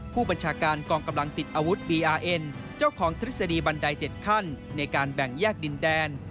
ผู้บัญชาการกองกำลังติดอาวุธบีอาร์เอ็นเจ้าของทฤษฎีบันได๗ขั้นในการแบ่งแยกดินแดน